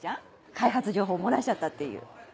開発情報を漏らしちゃったっていう。